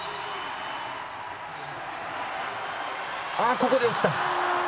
ここで落ちた。